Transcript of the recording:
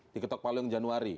diketok palu yang januari